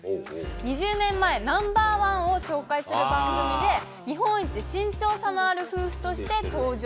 ２０年前、ナンバー１を紹介する番組で、日本一、身長差のある夫婦として登場。